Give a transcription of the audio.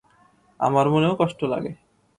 আমার মনেও কষ্ট লাগে।